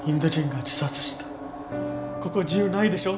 ここ自由ないでしょ？